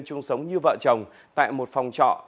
chung sống như vợ chồng tại một phòng trọ